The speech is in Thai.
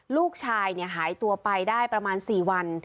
ลูกชายหายตัวไปได้ประมาณ๔วัน